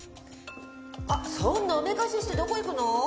あっそんなおめかししてどこ行くの？